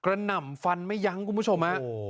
หน่ำฟันไม่ยั้งคุณผู้ชมฮะ